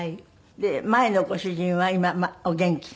前のご主人は今お元気？